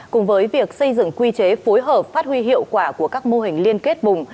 cùng với việc xây dựng quy chế phối hợp phát huy hiệu quả của các mô hình liên kết vùng